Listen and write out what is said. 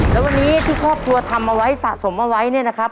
แล้ววันนี้ที่ครอบครัวทำเอาไว้สะสมเอาไว้เนี่ยนะครับ